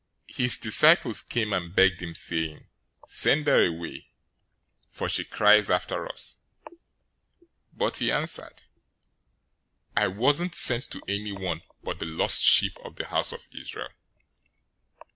His disciples came and begged him, saying, "Send her away; for she cries after us." 015:024 But he answered, "I wasn't sent to anyone but the lost sheep of the house of Israel."